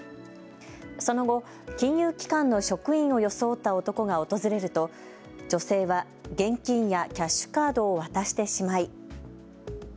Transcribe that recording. その後、金融機関の職員を装った男が訪れると女性は現金やキャッシュカードを渡してしまい。